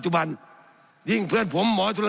สับขาหลอกกันไปสับขาหลอกกันไป